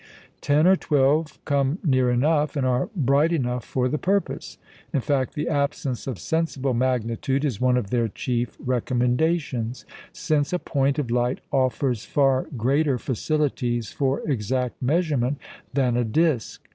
Ten or twelve come near enough, and are bright enough for the purpose; in fact, the absence of sensible magnitude is one of their chief recommendations, since a point of light offers far greater facilities for exact measurement than a disc.